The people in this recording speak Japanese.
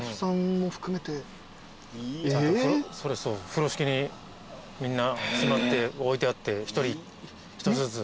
風呂敷にみんな縛って置いてあって１人１つずつ。